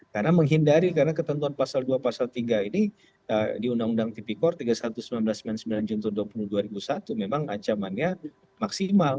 karena menghindari karena ketentuan pasal dua pasal tiga ini di undang undang tipikor tiga ribu satu ratus sembilan puluh sembilan juntur dua ribu satu memang ancamannya maksimal